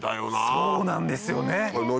そうなんですよね！